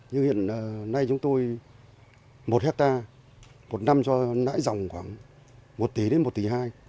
nhưng hiện nay chúng tôi một hectare một năm cho nãi dòng khoảng một tỷ đến một tỷ hai